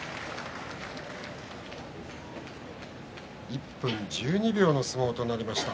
１分１２秒の相撲となりました。